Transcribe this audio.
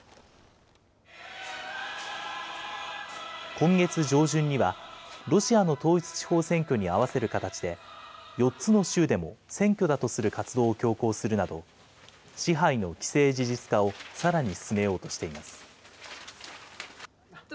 今月上旬には、ロシアの統一地方選挙にあわせる形で、４つの州でも選挙だとする活動を強行するなど、支配の既成事実化をさらに進めようとしています。